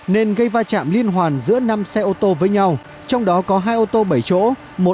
nên gây va chạm liên hoàn giữa năm xe ô tô với nhau trong đó có hai ô tô bảy chỗ